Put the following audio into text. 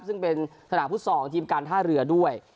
ซึ่งเป็นสนามฟุตซอลของทีมการท่าเรือด้วย